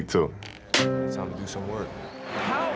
waktunya untuk melakukan beberapa pekerjaan